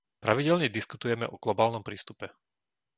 Pravidelne diskutujeme o globálnom prístupe.